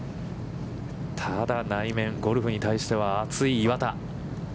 ただ、内面、ゴルフに対しては熱い岩田。